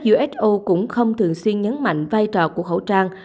uso cũng không thường xuyên nhấn mạnh vai trò của khẩu trang